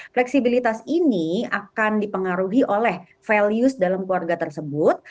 fleksibilitas ini akan dipengaruhi oleh values dalam keluarga tersebut